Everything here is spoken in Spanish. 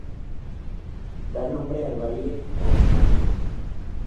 Da nombre al valle homónimo.